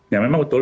ya memang betul